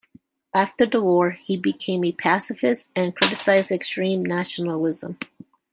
After the war he became a pacifist and criticized extreme nationalism.